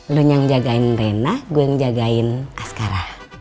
lu yang jagain rena gue yang jagain askara